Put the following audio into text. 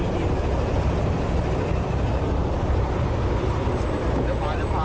เป็ดเขียวชาวดำเป็ดเขียวชาวดำ